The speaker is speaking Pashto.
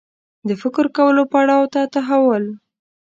د فکر کولو پړاو ته تحول